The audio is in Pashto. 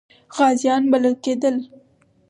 غازیان بلل کېدل.